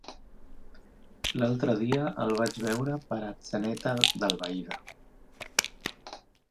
L'altre dia el vaig veure per Atzeneta d'Albaida.